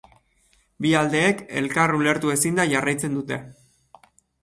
Bi aldeek elkar ulertu ezinda jarraitzen dute.